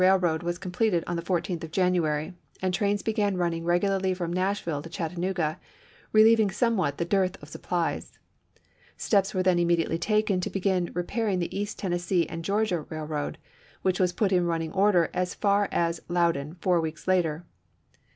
Eailroad was completed on the 14th of January ; and trains began running regularly from Nashville to Chattanooga, relieving somewhat the dearth of sup plies. Steps were then immediately taken to begin repairing the East Tennessee and Georgia Railroad, which was put in running order as far as Loudon four weeks later.